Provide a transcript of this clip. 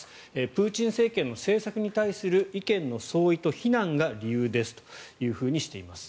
プーチン政権の政策に対する意見の相違と非難が理由ですというふうにしています。